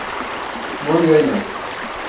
Goiânia